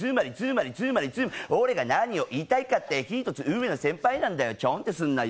俺が何を言いたいかってひーとつうーえの先輩なんだよチョンってすんなよ。